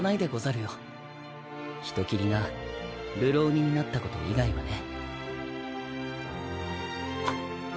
「人斬り」が「流浪人」になったこと以外はね。